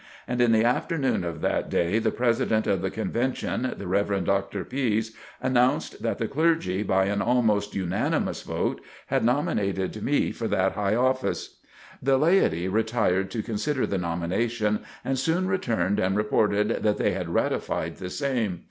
And in the afternoon of that day, the President of the Convention, the Rev. Dr. Pise, announced that the clergy, by an almost unanimous vote, had nominated me for that high office. The laity retired to consider the nomination and soon returned and reported that they had ratified the same.